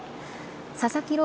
佐々木朗